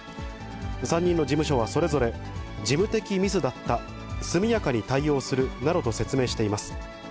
３人の事務所はそれぞれ、事務的ミスだった、速やかに対応するなどと説明しています。